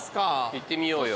行ってみようよ。